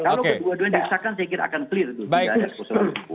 kalau kedua duanya diiksakan saya kira akan clear